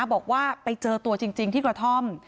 บอกว่าไปเจอตัวจริงที่กระท่อม